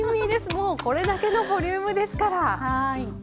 もうこれだけのボリュームですから。